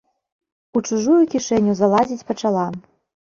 У чужую кішэню залазіць пачала.